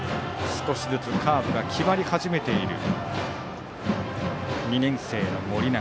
少しずつカーブが決まり始めている２年生の盛永。